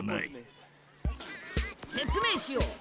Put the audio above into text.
説明しよう。